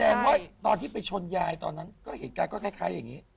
ว่าตอนที่ไปชนยายตอนนั้นก็เหตุการณ์ก็คล้ายอย่างนี้